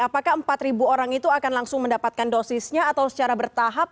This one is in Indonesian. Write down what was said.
apakah empat orang itu akan langsung mendapatkan dosisnya atau secara bertahap